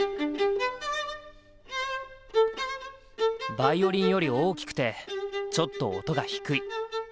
ヴァイオリンより大きくてちょっと音が低い。